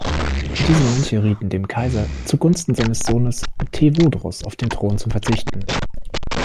Diese Mönche rieten dem Kaiser, zugunsten seines Sohnes Tewodros auf den Thron zu verzichten.